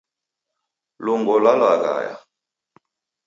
Lungo lwalaghaya